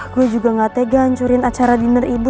gue juga gak tega hancurin acara dinner ibu